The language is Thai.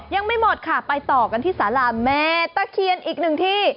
ยังไม่หมดค่ะไปต่อกันที่สาราแม่ตะเคียนอีกหนึ่งที่